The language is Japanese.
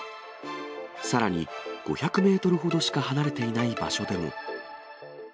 さらに、５００メートルほどしか離れていない場所でも。